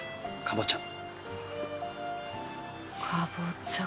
かぼちゃ。